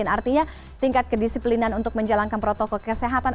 artinya tingkat kedisiplinan untuk menjalankan protokol kesehatan